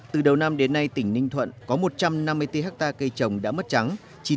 từ đầu năm đến nay tỉnh ninh thuận có một trăm năm mươi bốn hectare cây trồng đã mất trắng